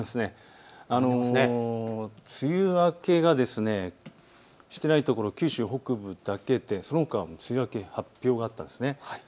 梅雨明けがしていない所、九州北部だけでそのほかは梅雨明けの発表があったんです。